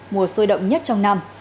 mùa sôi động nhất trong năm